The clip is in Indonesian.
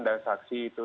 dan saksi itu